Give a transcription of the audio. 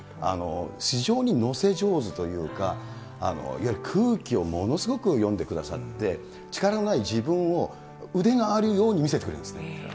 非常に乗せ上手というか、いわゆる空気をものすごく読んでくださって、力のない自分を腕があるように見せてくれるんですね。